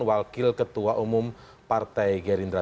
wakil ketua umum partai gerindra